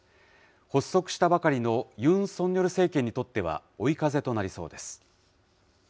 発足したばかりのユン・ソンニョル政権にとっては、追い風となりそうです。